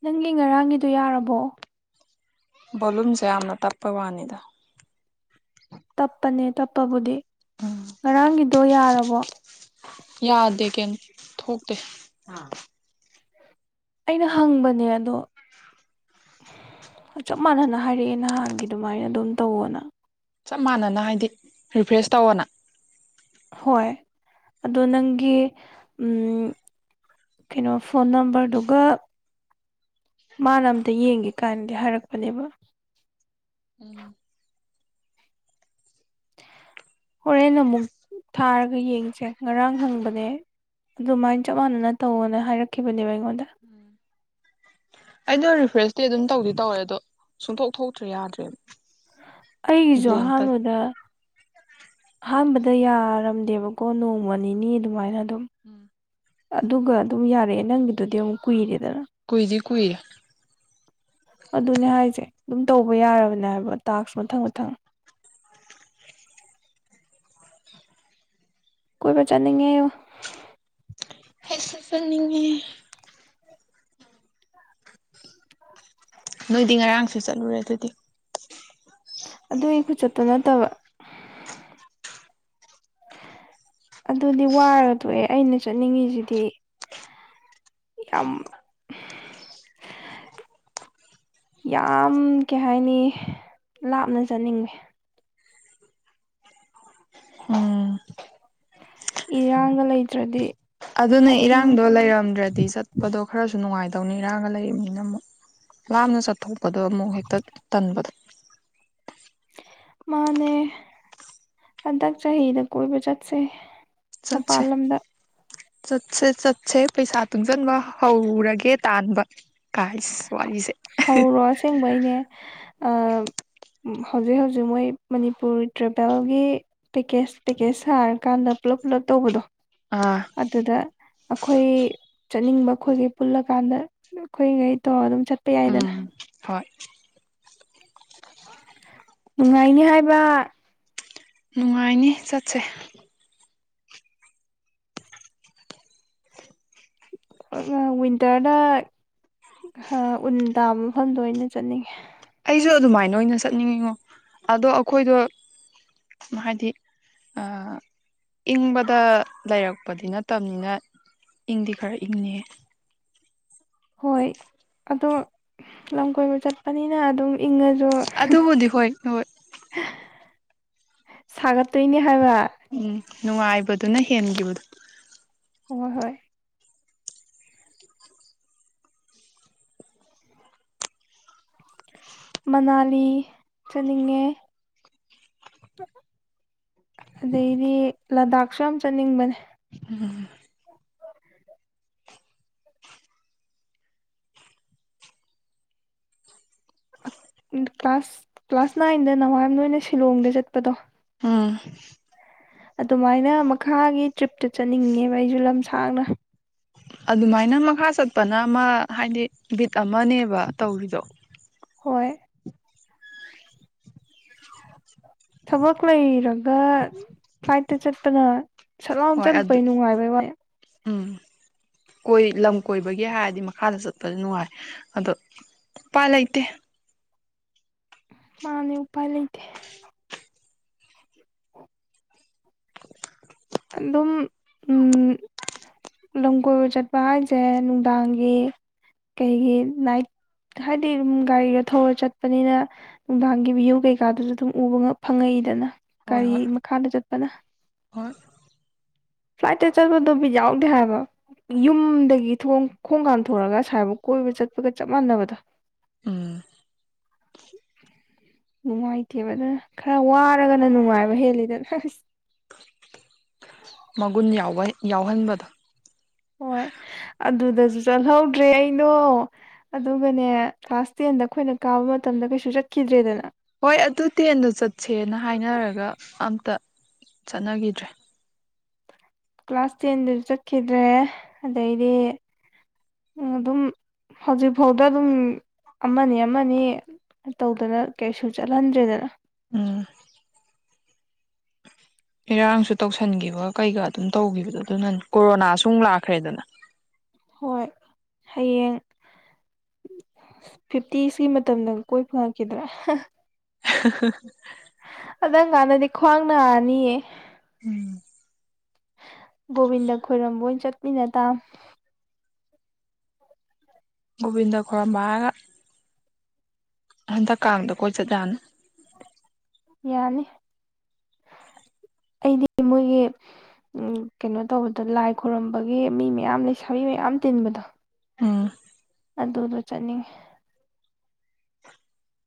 ꯅꯪꯒꯤ ꯉꯔꯥꯡꯒꯤꯗꯨꯣ ꯌꯥꯔꯕꯣ꯫ ꯕꯣꯂꯨꯝꯁꯦ ꯌꯥꯝꯅ ꯇꯞꯄ ꯋꯥꯅꯤꯗ꯫ ꯇꯞꯄꯅꯦ ꯇꯞꯄꯗꯤ꯫ ꯉꯔꯥꯡꯒꯤ꯫ ꯇꯣ ꯌꯥꯔꯕꯣ꯫ ꯌꯥꯗꯦ ꯀꯦꯝ ꯇꯥ ꯊꯣꯛꯇꯦ꯫ ꯑꯩꯅ ꯍꯪꯕꯅꯦ ꯑꯗꯣ ꯆꯞ ꯃꯥꯟꯅꯅ ꯍꯥꯏꯔꯛꯑꯦ ꯅꯍꯥꯟꯒꯤ ꯑꯗꯨꯃꯥꯏꯅ ꯑꯗꯨꯝ ꯇꯧꯑꯣꯅ꯫ ꯆꯞ ꯃꯥꯟꯅꯅ ꯍꯥꯏꯗꯤ ꯔꯤꯐ꯭ꯔꯦꯁ ꯇꯧꯑꯣꯅꯥ꯫ ꯍꯣꯏ ꯑꯗꯣ ꯅꯪꯒꯤ ꯀꯩꯅꯣ ꯐꯣꯟ ꯅꯝꯕꯔꯗꯨꯒ ꯃꯥꯅ ꯑꯝꯇ ꯌꯦꯡꯒꯦ ꯀꯥꯏꯅꯗꯤ ꯍꯥꯏꯔꯛꯄꯅꯦꯕ꯫ ꯎꯝ ꯍꯣꯔꯦꯟ ꯅ ꯑꯃꯨꯛ ꯊꯥꯔꯒ ꯌꯦꯡꯁꯦ ꯉꯔꯥꯡ ꯍꯪꯕꯅꯦ ꯑꯗꯨꯃꯥꯏꯅ ꯆꯞ ꯃꯥꯟꯅꯅ ꯇꯧꯅ ꯍꯥꯏꯔꯛꯈꯤꯕꯅꯦꯕ ꯑꯩꯉꯣꯟꯗ꯫ ꯎꯝ ꯑꯩꯗꯣ ꯔꯤꯐ꯭ꯔꯦꯁꯇꯗꯤ ꯑꯗꯨꯝ ꯇꯧꯗꯤ ꯇꯧꯋꯦ ꯑꯗꯣ ꯁꯨꯡꯇꯣꯛ ꯊꯣꯛꯇ꯭ꯔꯦ ꯌꯥꯗ꯭ꯔꯦꯕ꯫ ꯑꯩꯒꯤꯁꯨ ꯕ꯭ꯂꯦꯡ ꯇꯠ ꯑꯍꯥꯟꯕꯗ꯫ ꯑꯍꯥꯟꯕꯗ ꯌꯥꯔꯝꯗꯦꯕꯀꯣ ꯅꯣꯡꯃ ꯅꯤꯅꯤ ꯑꯗꯨꯃꯥꯏꯅ꯫ ꯑꯗꯨꯝ ꯎꯝ꯫ ꯑꯗꯨꯒ ꯑꯗꯨꯝ ꯌꯥꯔꯦ ꯅꯪꯒꯤꯗꯨꯗꯤ ꯑꯃꯨꯛ ꯀꯨꯏꯔꯦ꯫ ꯀꯨꯏꯗꯤ꯫ ꯀꯨꯔꯦ꯫ ꯑꯗꯨꯅꯦ ꯍꯥꯏꯁꯦ ꯑꯗꯨꯝ ꯇꯧꯕ ꯌꯥꯔꯕꯅꯦ ꯍꯥꯏꯕ ꯇꯥꯛꯁ ꯃꯊꯪ ꯃꯊꯪ꯫ ꯀꯣꯏꯕꯥ ꯆꯠꯅꯤꯡꯉꯦ꯫ ꯑꯩꯁꯨ ꯆꯠꯅꯤꯡꯏ꯫ ꯅꯣꯏꯗꯤ ꯉꯔꯥꯡꯁꯨ ꯆꯠꯂꯨꯔꯦ ꯑꯗꯨꯗꯤ꯫ ꯑꯗꯨꯒꯤ ꯈꯨꯆꯠꯇꯣ ꯅꯠꯇꯕ ꯑꯗꯨꯗꯤ ꯋꯥꯔꯗꯣꯛꯑꯦ ꯑꯩꯅ ꯆꯠꯅꯤꯡꯉꯤꯁꯤꯗꯤ ꯌꯥꯝ꯫ ꯌꯥꯝ ꯀꯩ ꯍꯥꯏꯅꯤ ꯂꯥꯞꯅ ꯆꯠꯅꯤꯡꯉꯤ꯫ ꯎꯝ ꯏꯔꯥꯡꯒ ꯂꯩꯇ꯭ꯔꯗꯤ꯫ ꯑꯗꯨꯅꯦ ꯍꯥꯏꯀꯤꯡ ꯏꯔꯥꯡꯗꯣ ꯂꯩꯔꯝꯗ꯭ꯔꯗꯤ ꯆꯠꯄꯗꯣ ꯈꯔꯁꯨ ꯅꯨꯡꯉꯥꯏꯇ꯫ ꯇꯧꯅꯤ ꯏꯔꯥꯒ ꯂꯩꯔꯤꯕꯅꯤꯅ ꯑꯃꯨꯛ ꯂꯥꯞꯅ ꯆꯠꯊꯣꯛ ꯄꯗꯣ ꯑꯃꯨꯛ ꯍꯦꯛꯇ ꯇꯟꯕꯗꯣ꯫ ꯃꯥꯅꯦ ꯍꯟꯗꯛ ꯆꯍꯤꯗ ꯀꯣꯏꯕ ꯆꯠꯁꯦ꯫ ꯆꯠꯁꯦ ꯃꯄꯥꯟ ꯂꯝꯗ꯫ ꯆꯠꯁꯦ ꯆꯠꯁꯦ ꯄꯩꯁꯥ ꯇꯨꯡꯁꯟꯕ ꯍꯧꯔꯒꯦ ꯇꯥꯟꯕ ꯀꯥꯏꯁ ꯋꯥꯔꯤꯁꯦ ꯍꯧꯔꯣ ꯑꯁꯦꯡꯕꯩꯅꯦ ꯍꯧꯖꯤꯛ ꯍꯧꯖꯤꯛ ꯃꯣꯏ ꯃꯅꯤꯄꯨꯔ ꯇ꯭ꯔꯦꯕꯦꯜꯒꯤ ꯄꯦꯀꯦꯁ ꯄꯦꯀꯦꯁ ꯁꯥꯔꯀꯥꯟꯗ ꯄꯨꯂꯞ ꯄꯨꯂꯞ ꯇꯧꯕꯗꯣ ꯑꯥ ꯑꯗꯨꯗ ꯑꯩꯈꯣꯏ ꯆꯠꯅꯤꯡꯕ ꯈꯣꯏꯒꯤ ꯄꯨꯜꯂ ꯀꯥꯟꯗ ꯑꯩꯈꯣꯏꯉꯩ ꯇꯣ ꯑꯗꯨꯝ ꯆꯠ ꯎꯝ ꯍꯣꯏ [inaudible] ꯅꯨꯡꯉꯥꯏꯅꯤ ꯍꯥꯏꯕ ꯅꯨꯡꯉꯥꯏꯅꯤ ꯆꯠꯁꯦ ꯋꯤꯟꯇꯔꯗ ꯎꯟ ꯇꯥꯕ ꯃꯐꯝꯗꯣ ꯑꯣꯏꯅꯥ ꯆꯠꯅꯤꯡꯉꯦ ꯑꯩꯁꯨ ꯑꯗꯨꯃꯥꯏꯅ ꯑꯣꯏꯅ ꯆꯠꯅꯤꯡꯉꯤꯉꯣ ꯑꯗꯣ ꯑꯩꯈꯣꯏꯗꯣ ꯍꯥꯏꯗꯤ ꯏꯪꯕꯗ ꯂꯩꯔꯛꯄꯗꯤ ꯅꯠꯇꯕꯅꯤꯅ ꯏꯪꯗꯤ ꯈꯔ ꯏꯪꯅꯤ ꯍꯣꯏ ꯑꯗꯣ ꯂꯝ ꯀꯣꯏꯕ ꯆꯠꯄꯅꯤꯅ ꯑꯗꯨꯝ ꯏꯪꯉꯁꯨ ꯑꯗꯨꯕꯨꯗꯤ ꯍꯣꯏ ꯍꯣꯏ ꯁꯥꯒꯠ ꯇꯣꯏꯅꯦ [unintelligible] ꯎꯝ ꯅꯨꯡꯉꯥꯏꯕꯗꯨꯅ ꯍꯦꯟꯒꯤꯕꯗꯣ ꯍꯣꯏ ꯃꯅꯥꯂꯤ ꯆꯅꯤꯡꯉꯦ ꯑꯗꯩꯗꯤ ꯂꯗꯥꯛꯁꯨ ꯌꯥꯝ ꯆꯠꯅꯤꯡꯕꯅꯦ ꯎꯝ [inaudible] ꯀ꯭ꯂꯥꯁ ꯀ꯭ꯂꯥꯁ ꯅꯥꯏꯟꯗ ꯅꯍꯥꯟꯒꯣꯏꯅꯥ ꯁꯤꯂꯣꯡꯗ ꯆꯠꯄꯗꯣ ꯑꯝ ꯑꯗꯨꯃꯥꯏꯅ ꯃꯈꯥꯒꯤ ꯇ꯭ꯔꯤꯞꯇ ꯆꯠꯅꯤꯡꯉꯦꯕ ꯑꯩꯁꯨ ꯂꯝ ꯁꯥꯡꯅ ꯑꯗꯨꯃꯥꯏꯅ ꯃꯈꯥ ꯆꯠꯄꯅ ꯑꯃ ꯍꯥꯏꯗꯤ ꯕꯤꯠ ꯑꯃꯅꯦꯕ ꯇꯧꯔꯤꯗꯣ ꯍꯣꯏ ꯊꯕꯛ ꯂꯩꯔꯒ ꯐ꯭ꯂꯥꯏꯠꯇ ꯆꯠꯄꯅ ꯁꯠꯂꯥꯎꯅ ꯍꯣꯏ ꯑꯗꯨ ꯆꯠꯄꯩꯅꯤꯟ ꯅꯨꯡꯉꯥꯏ ꯎꯝ ꯀꯣꯏ ꯂꯝ ꯀꯣꯏꯕꯒꯤ ꯍꯥꯏꯔꯗꯤ ꯃꯈꯥꯗ ꯆꯠꯄꯁꯨ ꯅꯨꯡꯉꯥꯏ ꯑꯗꯣ ꯎꯄꯥꯏ ꯂꯩꯇꯦ ꯃꯥꯅꯤ ꯎꯄꯥꯏ ꯂꯩꯇꯦ [inaudible] ꯑꯗꯨꯝ ꯂꯝ ꯀꯣꯏꯕ ꯆꯠꯄ ꯍꯥꯏꯁꯦ ꯅꯨꯡꯗꯥꯡꯒꯤ ꯀꯩꯒꯤ ꯅꯥꯏꯠ ꯍꯥꯏꯗꯤ ꯒꯥꯔꯤꯗꯣ ꯊꯧꯔ ꯆꯠꯄꯅꯤꯅ ꯅꯨꯡꯗꯥꯡꯒꯤ ꯚꯤ꯭ꯌꯨ ꯀꯩꯀꯥꯗꯨ ꯑꯗꯨꯝ ꯎꯕ ꯐꯪꯉꯛꯏꯗꯅ ꯍꯣꯏ ꯀꯔꯤ ꯍꯣꯏ ꯃꯈꯥꯗ ꯆꯠꯄꯅ ꯍꯣꯏ ꯐ꯭ꯂꯥꯏꯠꯇ ꯆꯠꯄꯗꯣ ꯕꯤꯠ ꯌꯥꯎꯗꯦ ꯍꯥꯏꯕ ꯌꯨꯝꯗꯒꯤ ꯈꯣꯡꯀꯥꯟ ꯊꯣꯔꯛꯒ ꯁꯥꯏꯕꯨꯛ ꯀꯣꯏꯕ ꯆꯠꯄꯒ ꯆꯞ ꯃꯥꯟꯅꯕꯗꯣ ꯎꯝ ꯅꯨꯡꯉꯥꯏꯇꯦꯕ ꯑꯗꯨꯅ ꯈꯔ ꯋꯥꯔꯒꯅ ꯅꯨꯡꯉꯥꯏꯕ ꯍꯦꯜꯂꯤꯗꯅ ꯃꯒꯨꯟ ꯌꯥꯎꯍꯟꯕꯗꯣ ꯍꯣꯏ ꯑꯗꯨꯗꯁꯨ ꯆꯠꯍꯧꯗ꯭ꯔꯦ ꯑꯩꯅꯣ ꯑꯗꯨꯒꯅꯦ ꯀ꯭ꯂꯥꯁ ꯇꯦꯟꯗ ꯑꯩꯈꯣꯏꯅ ꯀꯥꯕ ꯃꯇꯝꯗ ꯀꯩꯁꯨ ꯆꯠꯈꯤꯗ꯭ꯔꯦꯗꯅ ꯍꯣꯏ ꯑꯗꯨ ꯇ꯭ꯔꯦꯟꯗ ꯆꯠꯁꯦꯅ ꯍꯥꯏꯅꯔꯒ ꯑꯝꯇ ꯆꯠꯅꯒꯤꯗ꯭ꯔꯦ ꯀ꯭ꯂꯥꯁ ꯇꯦꯟꯗꯁꯨ ꯆꯠꯈꯤꯗ꯭ꯔꯦ ꯑꯗꯩꯗꯤ ꯑꯗꯨꯝ ꯍꯧꯖꯤꯛꯐꯥꯎꯗ ꯑꯗꯨꯝ ꯑꯃꯅꯤ ꯑꯃꯅꯤ ꯇꯧꯗꯅ ꯀꯩꯁꯨ ꯆꯠꯍꯟꯗ꯭ꯔꯦꯗꯅ ꯎꯝ ꯏꯔꯥꯡꯁꯨ ꯇꯧꯁꯟꯈꯤꯕ ꯀꯩꯒ ꯑꯗꯨꯝ ꯇꯧꯒꯤꯕꯗꯣ ꯑꯗꯨꯅ ꯀꯣꯔꯣꯅꯥꯁꯨꯨꯛ ꯂꯥꯛꯈ꯭ꯔꯦꯗꯅ ꯍꯣꯏ ꯍꯌꯦꯡ ꯐꯤꯐꯇꯤ ꯁꯤ ꯃꯇꯝꯗꯒ ꯀꯣꯏ ꯐꯡꯉꯛꯈꯤꯗ꯭ꯔꯥ [inaudible] ꯐꯗꯡ ꯀꯥꯟꯅꯗꯤ ꯈ꯭ꯋꯥꯡ ꯅꯥꯔꯅꯤꯌꯦ ꯎꯝ ꯒꯣꯕꯤꯟꯗ ꯈꯣꯏꯔꯝꯕ ꯑꯣꯏꯅ ꯆꯠꯃꯤꯟꯅ ꯇ ꯒꯣꯕꯤꯟꯗ ꯈꯔꯃꯕ ꯍꯤꯔꯒꯥ ꯍꯟꯗꯛ ꯀꯥꯡꯗ ꯀꯣꯏ ꯆꯠꯗꯥꯅ ꯌꯥꯅꯤ ꯑꯩꯗꯤ ꯃꯣꯏꯒꯤ ꯎꯝ ꯀꯩꯅꯣ ꯇꯧꯕꯗꯣ ꯂꯥꯏ ꯈꯨꯣꯏꯔꯝꯕꯒꯤ ꯃꯤ ꯃꯌꯥꯝ ꯂꯩꯁꯥꯕꯤ ꯃꯌꯥꯝ ꯇꯤꯟꯕꯗꯣ ꯑꯝ ꯑꯗꯨꯗ ꯆꯠꯅꯤꯡꯉꯤ [inaudible]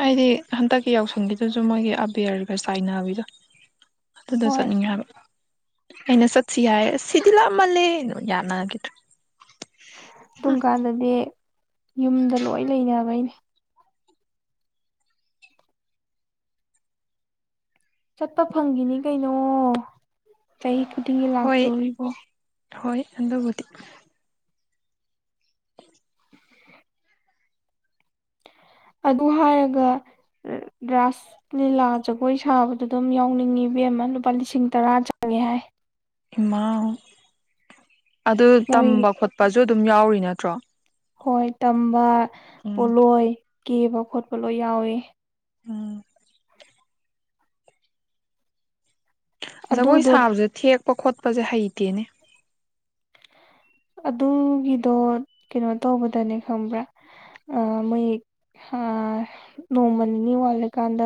ꯍꯥꯏꯗꯤ ꯍꯟꯗꯛꯀꯤ ꯌꯥꯎꯁꯪꯒꯤꯗꯨꯁꯨ ꯃꯣꯏꯒꯤ ꯑꯕꯦꯔꯒ ꯆꯥꯏꯅꯕꯤꯗꯣ ꯑꯗꯨꯗ ꯍꯣꯏ ꯆꯠꯅꯤꯡ ꯍꯥꯏꯕ ꯑꯩꯅ ꯆꯠꯁꯤ ꯍꯥꯏ ꯁꯤꯗꯤ ꯂꯥꯛꯑꯃꯜꯂꯦ ꯌꯥꯅꯒꯤꯗ꯭ꯔꯥ ꯇꯨꯡ ꯀꯥꯟꯗꯗꯤ ꯌꯨꯝꯗ ꯂꯣꯏ ꯂꯩꯅꯕꯩꯅꯦ ꯆꯠꯄ ꯐꯡꯒꯤꯅꯤ ꯀꯩꯅꯣ ꯆꯍꯤ ꯈꯨꯗꯤꯡꯒꯤ ꯍꯣꯏ ꯂꯥꯛꯇꯣꯔꯤꯕ ꯍꯣꯏ ꯑꯗꯨꯕꯨꯗꯤ ꯑꯗꯨ ꯍꯥꯏꯔꯒ ꯔꯥꯁ ꯂꯤꯂꯥ ꯖꯒꯣꯏ ꯁꯥꯕꯗ ꯑꯗꯨꯝ ꯌꯥꯎꯅꯤꯡꯉꯤꯕꯦꯝ ꯑꯃ ꯂꯨꯄꯥ ꯂꯤꯁꯤꯡ ꯇꯔꯥ ꯆꯉꯦ ꯍꯥꯏ ꯃ ꯑꯗꯨ ꯃꯣꯏ ꯇꯝꯕ ꯈꯣꯠꯄꯁꯨ ꯑꯗꯨꯝ ꯌꯥꯎꯔꯤ ꯅꯠꯇ꯭ꯔꯣ ꯍꯣꯏ ꯇꯝꯕ ꯎꯝ ꯄꯂꯣꯏ ꯀꯦꯕ ꯈꯣꯠꯄ ꯂꯣꯏ ꯌꯥꯎꯋꯦ ꯎꯝ ꯖꯒꯣꯏ ꯑꯗꯨꯗꯣ ꯁꯥꯕꯁꯦ ꯊꯦꯛ ꯄ ꯈꯣꯠꯄꯁꯦ ꯍꯩꯇꯦꯅꯦ ꯑꯗꯨꯒꯤꯗꯣ ꯀꯩꯅꯣ ꯇꯧꯕꯗꯅꯦ ꯈꯪꯕ꯭ꯔꯥ ꯃꯣꯏ ꯅꯣꯡꯃ ꯅꯤꯅꯤ ꯋꯥꯠꯂꯀꯥꯟꯗ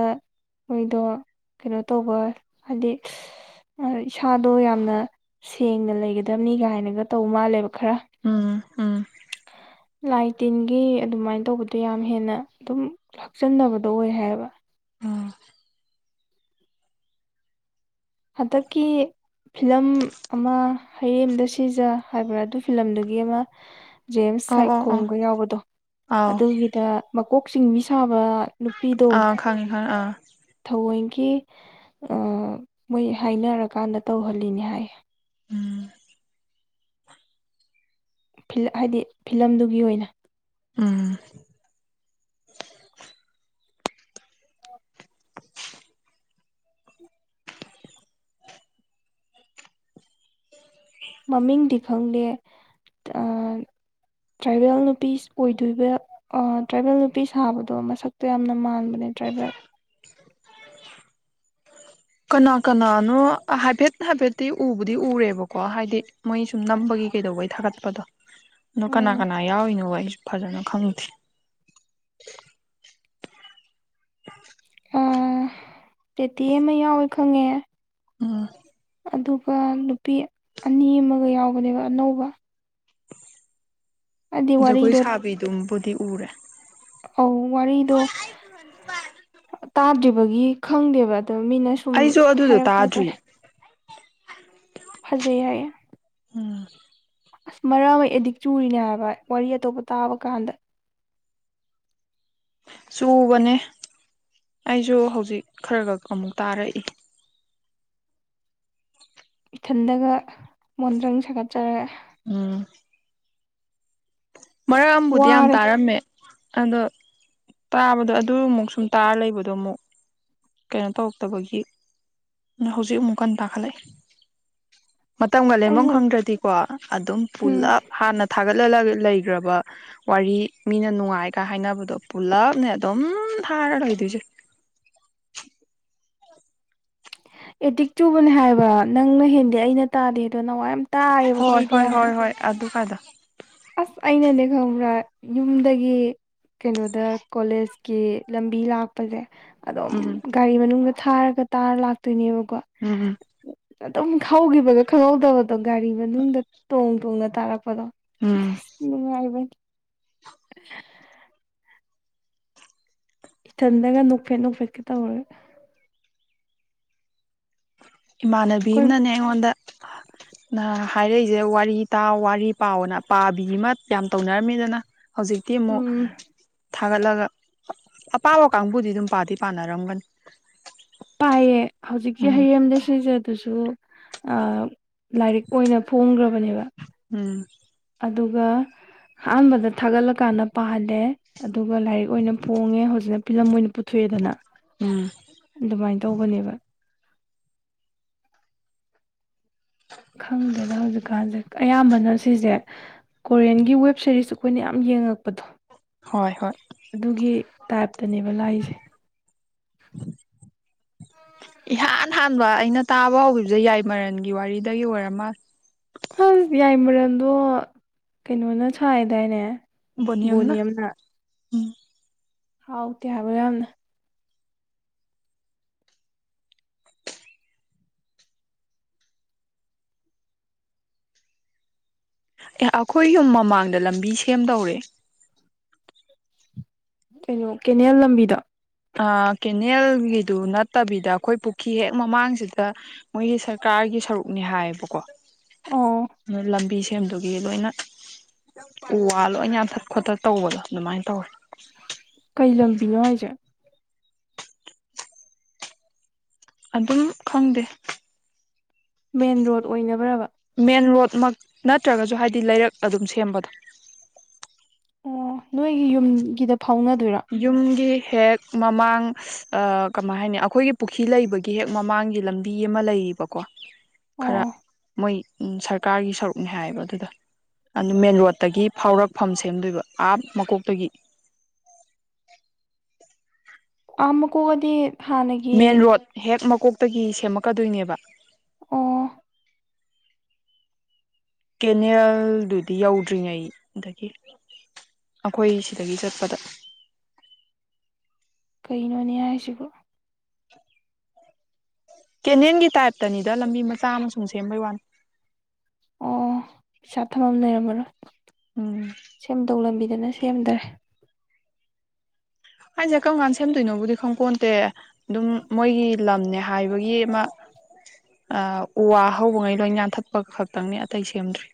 ꯃꯣꯏꯗꯣ ꯀꯩꯅꯣ ꯇꯧꯕ ꯍꯥꯏꯗꯤ ꯏꯁꯥꯗꯣ ꯌꯥꯝꯅ ꯁꯦꯡꯅ ꯂꯩꯒꯗꯕꯅꯤ ꯀꯥꯏꯅꯒ ꯇꯧ ꯃꯥꯜꯂꯦꯕ ꯈꯔ ꯎꯝ ꯎꯝ ꯂꯥꯏ ꯇꯤꯟꯒꯤ ꯑꯗꯨꯃꯥꯏꯅ ꯇꯧꯕꯗꯣ ꯌꯥꯝ ꯍꯦꯟꯅ ꯑꯗꯨꯝ ꯍꯛꯆꯟꯅꯕ ꯂꯣꯌꯦ ꯍꯥꯏꯕ ꯎꯝ ꯍꯟꯗꯛꯀꯤ ꯐꯤꯂꯝ ꯑꯃ ꯍꯔꯦꯝꯗ ꯁꯤꯖ ꯍꯥꯏꯕ꯭ꯔꯥ ꯑꯗꯨ ꯐꯤꯂꯝꯗꯨꯒꯤ ꯑꯃ ꯖꯦꯝꯁ ꯑꯣ ꯑꯣ ꯑꯣ ꯁꯥꯏꯈꯣꯒ ꯌꯥꯎꯕꯗꯣ ꯑꯥꯎ ꯑꯗꯨꯒꯤꯗ ꯀꯣꯛꯆꯤꯡ ꯃꯤ ꯁꯥꯕ ꯅꯨꯄꯤꯗꯣ ꯑꯥ ꯈꯪꯉꯦ ꯈꯪꯉꯦ ꯑꯥ ꯊꯑꯣꯏ ꯀꯤ ꯃꯣꯏ ꯍꯥꯏꯅꯔꯀꯥꯟꯗ ꯇꯧꯍꯜꯂꯤꯅꯤ ꯍꯥꯏ꯫ ꯎꯝ ꯍꯥꯏꯗꯤ ꯐꯤꯂꯝꯗꯨꯒꯤ ꯑꯣꯏꯅ꯫ ꯎꯝ ꯃꯃꯤꯡꯗꯤ ꯈꯪꯗꯦ ꯇ꯭ꯔꯥꯏꯕꯦꯜ ꯅꯨꯄꯤ ꯑꯣꯏꯗꯣꯏꯕ ꯇ꯭ꯔꯥꯏꯕꯦꯜ ꯅꯨꯄꯤ ꯁꯥꯕꯗꯣ ꯃꯁꯛꯇꯣ ꯌꯥꯝꯅ ꯃꯥꯟꯕꯅꯦ ꯇ꯭ꯔꯥꯏꯕꯦꯜ꯫ ꯀꯅꯥ ꯀꯅꯥꯅꯣ ꯍꯥꯏꯐꯦꯠ ꯍꯥꯏꯐꯦꯠꯇꯤ ꯎꯕꯨꯗꯤ ꯎꯔꯦꯕꯀꯣ ꯍꯥꯏꯗꯤ ꯃꯣꯏ ꯁꯨꯝ ꯅꯝꯕꯒꯤ ꯀꯩꯗꯧꯕꯩ ꯊꯥꯒꯠꯄꯗꯣ ꯑꯣ ꯀꯅꯥ ꯀꯅꯥ ꯌꯥꯎꯔꯤꯅꯣ ꯑꯩꯁꯨ ꯐꯖꯅ ꯈꯪꯗꯦ꯫ ꯑꯣ ꯇꯦꯇꯦ ꯑꯃ ꯌꯥꯎꯋꯦ ꯈꯪꯉꯦ꯫ ꯑ꯫ ꯑꯗꯨꯒ ꯅꯨꯄꯤ ꯑꯅꯤ ꯑꯃꯒ ꯌꯥꯎꯕꯅꯦꯕ ꯑꯅꯧꯕ꯫ ꯍꯥꯏꯗꯤ ꯖꯒꯣꯏ ꯁꯥꯕꯤꯗꯨꯝꯕꯨꯗꯤ꯫ ꯎꯔꯦ꯫ ꯑ ꯋꯥꯔꯤꯗꯣ ꯇꯥꯗ꯭ꯔꯤꯕ꯫ ꯒꯤ ꯈꯪꯗꯦꯕ꯫ ꯑꯗꯣ ꯃꯤꯅ ꯁꯨꯝ ꯑꯩꯁꯨ ꯑꯗꯨꯗꯣ ꯍꯥꯏꯔꯛꯄ ꯇꯥꯗ꯭ꯔꯤ ꯍꯥꯏꯇꯥꯔꯦ꯫ ꯐꯖꯩ ꯍꯥꯏꯌꯦ꯫ ꯎꯝ꯫ ꯑꯁ ꯃꯔꯛ ꯑꯃ ꯑꯦꯗꯤꯛ ꯆꯨꯔꯤꯅꯦ ꯍꯥꯏꯕ ꯋꯥꯔꯤ ꯑꯇꯣꯞꯄ ꯇꯥꯕ ꯀꯥꯟꯗ꯫ ꯆꯨꯕꯅꯦ ꯑꯩꯁꯨ ꯍꯧꯖꯤꯛ ꯈꯔ ꯈ ꯑꯃꯨꯛ ꯇꯥꯔꯛꯏ꯫ ꯏꯊꯟꯗꯒ ꯃꯣꯟꯗ꯭ꯔꯪ ꯁꯥꯒꯠꯆꯔꯒ꯫ ꯎꯝ꯫ ꯃꯔꯛ ꯑꯝꯕꯨꯗꯤ ꯌꯥꯝ ꯋꯥꯔꯦ ꯇꯥꯔꯝꯃꯦ꯫ ꯑꯗꯣ ꯇꯥꯕꯗꯣ ꯑꯗꯨ ꯑꯃꯨꯛ ꯁꯨꯝ ꯇꯥꯔ ꯂꯩꯕꯗꯣ ꯑꯃꯨꯛ꯫ ꯀꯩꯅꯣ ꯇꯧꯔꯛꯇꯕꯒꯤ꯫ ꯍꯧꯖꯤꯛ ꯑꯃꯨꯛ ꯀꯟꯅꯥ ꯇꯥꯈꯠꯂꯛꯏ꯫ ꯃꯇꯝꯒ ꯑꯩ ꯂꯦꯟꯕꯝ ꯍꯧ ꯈꯪꯗ꯭ꯔꯗꯤꯀꯣ ꯑꯗꯨꯝ ꯎꯝ ꯄꯨꯜꯂꯞ ꯍꯥꯟꯅ꯫ ꯊꯥꯒꯠꯍꯜꯂ ꯂꯩꯈ꯭ꯔꯕ ꯋꯥꯔꯤ ꯃꯤꯅ ꯅꯨꯡꯉꯥꯏꯒ ꯍꯥꯏꯅꯕꯗꯣ ꯄꯨꯂꯞꯅꯦ ꯑꯗꯨꯝ ꯊꯥꯔ ꯂꯩꯗꯣꯏꯁꯦ꯫ ꯑꯦꯗꯤꯛ ꯆꯨꯕꯅꯦ ꯍꯥꯏꯕ꯫ ꯅꯪꯅ ꯍꯦꯟꯗꯤꯦ ꯑꯩꯅ ꯇꯥꯗꯦ ꯑꯗꯣ ꯅꯨꯉꯥꯏꯕꯅꯦ ꯇꯥꯔꯒꯥ ꯌꯦꯉꯣ ꯍꯣꯏ ꯋꯥꯔꯤꯗꯣ ꯍꯣꯏ ꯌꯥꯝꯅ꯫ ꯍꯣꯏ ꯍꯣꯏ ꯑꯗꯨ ꯀꯥꯏꯗꯣ ꯑꯁ ꯑꯩꯅꯅꯦ ꯈꯪꯕ꯭ꯔꯥ ꯌꯨꯝꯗꯒꯤ ꯀꯩꯅꯣꯗ ꯀꯣꯂꯦꯖꯀꯤ ꯂꯝꯕꯤ ꯂꯥꯛꯄꯁꯦ꯫ ꯑꯝ ꯎꯝ ꯒꯥꯔꯤ ꯃꯅꯨꯡꯗ꯫ ꯊꯥꯔꯒ ꯇꯥꯔ ꯂꯥꯛꯇꯣꯏꯅꯦꯕ꯫ ꯎꯝ ꯎꯝ꯫ ꯑꯗꯨꯝ ꯍꯧꯈꯤꯕꯗꯣ ꯈꯪꯍꯧꯗꯕꯗꯣ꯫ ꯑꯣ ꯒꯥꯔꯤ ꯃꯅꯨꯡꯗ ꯇꯣꯡ꯫ ꯇꯨꯡꯅ ꯇꯥꯔꯛꯄꯗꯣ꯫ ꯎꯝ ꯅꯨꯉꯥꯏꯕꯅꯦ꯫ ꯎ꯫ ꯏꯊꯟꯗꯒ ꯅꯣꯛꯐꯦꯠ ꯅꯣꯛꯐꯦꯠꯀ ꯇꯧꯔꯒꯥ꯫ ꯏꯃꯥꯟꯅꯕꯤ ꯑꯩꯈꯣꯏ ꯑꯃꯅꯅꯦ ꯑꯩꯉꯣꯟꯗ꯫ ꯍꯥꯏꯔꯛꯏꯁꯦ ꯋꯥꯔꯤ ꯇꯥꯎ ꯋꯥꯔꯤ ꯄꯥꯎꯅ ꯄꯥꯕꯤ ꯑꯃ ꯌꯥꯝ ꯇꯧꯅꯔꯝꯃꯤꯗꯅ꯫ ꯍꯧꯖꯤꯛꯇꯤ ꯑꯃꯨꯛ꯫ ꯎꯝ ꯊꯥꯒꯠꯂꯒ ꯑꯄꯥꯝꯕ ꯀꯥꯡꯕꯨꯗꯤ ꯑꯗꯨꯝ ꯄꯥꯗꯤ ꯄꯥꯅꯔꯝꯒꯅꯤ꯫ ꯄꯥꯏꯌꯦ꯫ ꯍꯧꯖꯤꯛꯀꯤ ꯎꯝ ꯍꯌꯦꯡꯗ ꯁꯤꯁꯦ ꯑꯗꯨꯁꯨ꯫ ꯁꯨ ꯂꯥꯏꯔꯤꯛ ꯑꯣꯏꯅ ꯐꯣꯡꯈ꯭ꯔꯕꯅꯦꯕ꯫ ꯎꯝ꯫ ꯑꯗꯨꯒ ꯑꯍꯥꯟꯕꯗ ꯊꯥꯒꯠꯂꯀꯥꯟꯗ ꯄꯥꯍꯜꯂꯦ꯫ ꯑꯗꯨꯒ ꯂꯥꯏꯔꯤꯛ ꯑꯣꯏꯅ ꯐꯣꯡꯉꯦ ꯍꯧꯖꯤꯛꯅ ꯐꯤꯂꯝ ꯑꯣꯏꯅ ꯄꯨꯊꯣꯛꯑꯦꯗꯅ ꯎꯝ ꯑꯗꯨꯃꯥꯏꯅ ꯇꯧꯕꯅꯦꯕ꯫ ꯈꯪꯗꯦꯗ ꯍꯧꯖꯤꯛꯀꯥꯟꯁꯦ ꯑꯌꯥꯝꯕꯅ ꯁꯤꯁꯦ ꯀꯣꯔꯤꯌꯟꯒꯤ ꯋꯦꯕ ꯁꯦꯔꯤꯁ ꯑꯩꯈꯣꯏꯅ ꯌꯥꯝ ꯌꯦꯡꯉꯛꯄꯗꯣ꯫ ꯍꯣꯏ ꯍꯣꯏ ꯑꯗꯨꯒꯤ꯫ ꯇꯥꯏꯞꯇꯅꯦꯕ ꯂꯥꯛꯏꯁꯦ꯫ ꯏꯍꯥꯟ ꯍꯥꯟꯕ ꯑꯩꯅ ꯇꯥꯕ ꯍꯧꯈꯤꯕꯁꯦ ꯌꯥꯏꯃꯔꯟꯒꯤ ꯋꯥꯔꯤꯗꯒꯤ ꯑꯣꯏꯔꯃꯥꯜꯂꯦ꯫ ꯍ ꯌꯥꯏꯃꯔꯟꯗꯣ ꯀꯩꯅꯣꯅ ꯁꯥꯏꯗꯥꯏꯅꯦ꯫ ꯕꯣꯅꯤꯌꯝꯅ꯫ ꯎꯝ ꯍꯥꯎꯇꯦ ꯍꯥꯏꯕ ꯌꯥꯝꯅ꯫ ꯑꯦ ꯑꯩꯈꯣꯏ ꯌꯨꯝ ꯃꯃꯥꯡꯗ ꯂꯝꯕꯤ ꯁꯦꯝꯗꯧꯔꯦ꯫ ꯀꯩꯅꯣ ꯀꯦꯅꯦꯜ ꯂꯝꯕꯤꯗꯣ꯫ ꯀꯦꯅꯦꯜꯒꯤꯗꯨ ꯅꯠꯇꯕꯤꯗ ꯑꯩꯈꯣꯏ ꯄꯨꯈ꯭ꯔꯤ ꯍꯦꯛ ꯃꯃꯥꯡꯁꯤꯗ ꯃꯣꯏꯒꯤ ꯁꯔꯀꯥꯔꯒꯤ ꯁꯔꯨꯛꯅꯤ ꯍꯥꯏꯌꯦꯕꯀꯣ꯫ ꯑꯣ ꯂꯝꯕꯤ꯫ ꯃꯦꯝꯗꯨꯒꯤ ꯂꯣꯏꯅ ꯎ ꯋꯥ ꯂꯣꯏ ꯌꯥꯟꯊꯠ ꯈꯣꯊꯠ ꯇꯧꯕꯗꯣ ꯑꯗꯨꯃꯥꯏꯅ ꯇꯧꯋꯦ꯫ ꯀꯩ ꯂꯝꯕꯤꯅꯣ ꯍꯥꯏꯁꯦ꯫ ꯑꯗꯨꯝ ꯈꯪꯗꯦ꯫ ꯃꯦꯟ ꯔꯣꯗ ꯑꯣꯏꯅꯕ꯭ꯔꯕ꯫ ꯃꯦꯟ ꯅꯠꯇ꯭ꯔꯒꯁꯨ ꯍꯥꯏꯗꯤ ꯂꯩꯔꯛ ꯑꯗꯨꯝ ꯁꯦꯝꯕꯗꯣ꯫ ꯑꯣ ꯅꯣꯏꯒꯤ ꯌꯨꯝꯒꯤꯗ꯫ ꯐꯥꯎꯅꯗꯣꯏꯔꯣ ꯌꯨꯝꯒꯤ꯫ ꯍꯦꯛ ꯃꯃꯥꯡ ꯀꯃꯥꯏ ꯍꯥꯏꯅꯤ ꯑꯩꯈꯣꯏꯒꯤ ꯄꯨꯈ꯭ꯔꯤ ꯂꯩꯕꯒꯤ ꯍꯦꯛ ꯃꯃꯥꯡꯒꯤ ꯂꯝꯕꯤ ꯑꯃ ꯂꯩꯔꯤꯕꯀꯣ ꯈꯔ ꯑꯣ ꯃꯣꯏ ꯁꯔꯀꯥꯔꯒꯤ ꯁꯔꯨꯛꯅꯦ ꯍꯥꯏꯌꯦꯕ ꯑꯗꯨꯗ ꯑꯗꯨ ꯃꯦꯟ ꯔꯣꯗꯠꯇꯒꯤ ꯐꯥꯎꯔꯛꯐꯝ ꯁꯦꯝꯗꯣꯏꯕ ꯑꯥ ꯃꯀꯣꯛꯇꯒꯤ꯫ ꯑꯥ ꯃꯥꯀꯣꯛ ꯍꯥꯏ꯫ ꯃꯦꯟ ꯔꯣꯗ ꯍꯦꯛ ꯃ꯫ ꯀꯣꯛꯇꯒꯤ ꯁꯦꯝꯃꯛꯀꯗꯣꯏꯅꯦꯕ꯫ ꯑꯣ꯫ ꯀꯦꯅꯦꯜꯗꯨꯗꯤ ꯌꯧꯗ꯭ꯔꯤꯉꯩꯗ ꯑꯩꯈꯣꯏ ꯁꯤꯗꯒꯤ ꯆꯠꯄꯗ꯫ ꯀꯩꯅꯣꯅꯦ ꯍꯥꯏꯁꯕꯨ꯫ ꯫ ꯀꯦꯅꯦꯜꯒꯤ ꯇꯥꯏꯞꯇꯅꯤꯗ ꯂꯝꯕꯤ ꯃꯆꯥ ꯑꯃꯁꯨꯡ ꯁꯦꯝꯕꯩ ꯋꯥꯅꯤ꯫ ꯑꯣ ꯄꯩꯁꯥ ꯊꯝꯕꯝ ꯂꯩꯔꯝꯃꯔꯣꯏ꯫ ꯎꯝ ꯁꯝꯗꯧ ꯂꯝꯕꯤ꯫ ꯐꯖꯅ ꯁꯦꯝꯗ꯭ꯔꯦ꯫ ꯍꯥꯏꯁꯦ ꯀꯔꯝ ꯀꯥꯟꯗ ꯁꯦꯝꯗꯣꯏꯅꯣꯕꯨꯗꯤ ꯈꯣꯡꯄꯣꯟꯇꯦ ꯑꯗꯨꯝ ꯃꯣꯏꯒꯤ ꯂꯝꯅꯦ ꯍꯥꯏꯕꯒꯤ ꯑꯃ ꯎ ꯋꯥ ꯍꯧꯕꯉꯩ ꯂꯣꯏ ꯌꯥꯟꯊꯠꯄ ꯈꯛꯇꯪꯅꯤ ꯑꯇꯩ ꯁꯦꯝꯗ꯭ꯔꯤ꯫